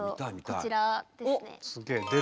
こちらですね。